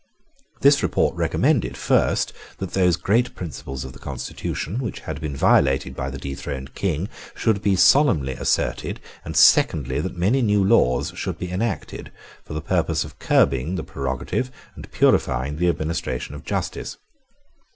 This report recommended, first, that those great principles of the constitution which had been violated by the dethroned King should be solemnly asserted, and, secondly, that many new laws should be enacted, for the purpose of curbing the prerogative and purifying the administration of justice.